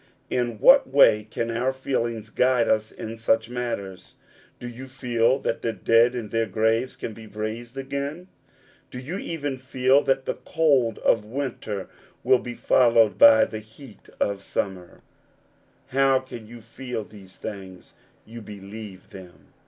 In what way can our feelings guide us in such matters ? Do you feel that the dead in their graves can be raised again ? Do you even feel that the cold of winter will be followed by the heat of summer ? How can you feel these things ? You believe them.